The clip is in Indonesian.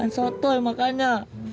jangan sotol makanya